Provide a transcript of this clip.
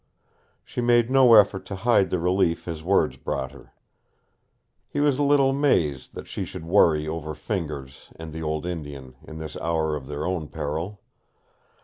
She made no effort to hide the relief his words brought her. He was a little amazed that she should worry over Fingers and the old Indian in this hour of their own peril.